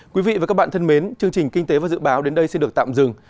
quý vị và các bạn thân mến chương trình kinh tế và dự báo đến đây xin được tạm dừng